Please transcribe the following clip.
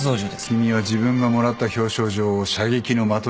君は自分がもらった表彰状を射撃の的にするのか？